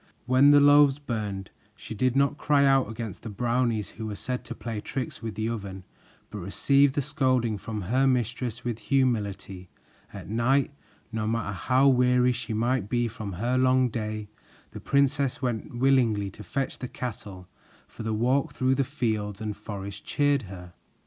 When the loaves burned, she did not cry out against the Brownies, who were said to play tricks with the oven, but received the scolding from her mistress with humility. At night, no matter how weary she might be from her long day, the princess went willingly to fetch the cattle, for the walk through the fields and forest cheered her.